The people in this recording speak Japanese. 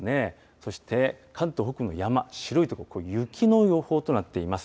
そして、関東北部の山、白い所、雪の予報となっています。